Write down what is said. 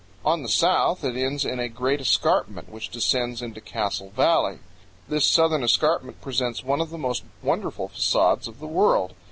On the south it ends in a great escarpment which descends into Castle Valley. This southern escarpment presents one of the most wonderful facades of the world.